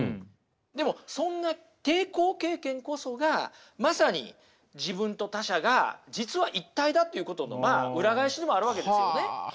でもそんな抵抗経験こそがまさに自分と他者が実は一体だということの裏返しでもあるわけですよね。